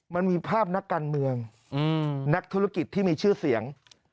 มันมีภาพนักการเมืองนักธุรกิจที่มีชื่อเสียง